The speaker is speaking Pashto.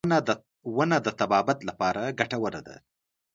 • ونه د طبابت لپاره ګټوره ده.